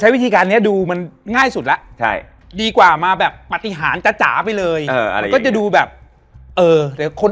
เสียงเขาสวดตามเลยเหรอ